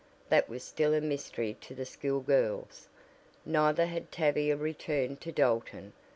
That was still a mystery to the school girls. Neither had Tavia returned to Dalton.